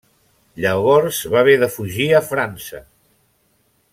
Llavors va haver de fugir a França.